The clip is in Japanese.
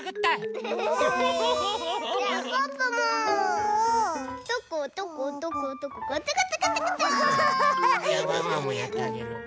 ウフフ！じゃワンワンもやってあげる。